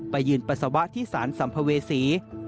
ยืนปัสสาวะที่สารสัมภเวษี